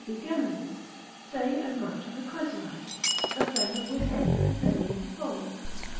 de geminis, say as much of the chrysolite, a friend of wisdom, an enemy to folly.